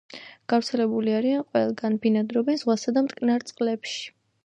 გავრცელებული არიან ყველგან, ბინადრობენ ზღვასა და მტკნარ წყლებში.